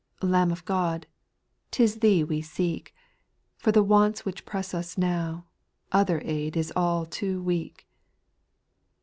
Ill Lamb of God, 't is Thee we seek ; For the wants which press us now, Other aid is all too weak.